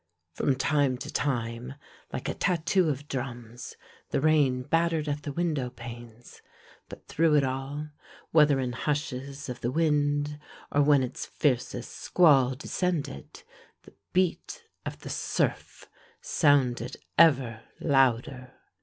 From time to time like a tattoo of drums the rain battered at the window panes, but through it all, whether in hushes of the wind or when its fiercest squall descended, the beat of the surf sounded ever louder.